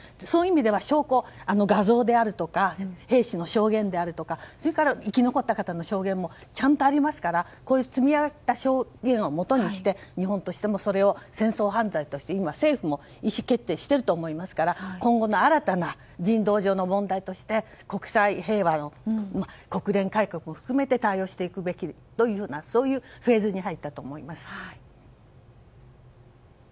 そういう意味では証拠画像であるとか兵士の証言であるとかそれから生き残った方の証言もちゃんとありますからこういう積み上げた証言をもとにして日本としてもそれを戦争犯罪として今、政府も意思決定していると思いますから今後の新たな人道上の問題として国際平和を、国連改革を含めて対応していくべきというようなフェーズに入ったと思います。